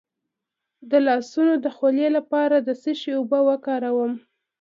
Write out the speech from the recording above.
د لاسونو د خولې لپاره د څه شي اوبه وکاروم؟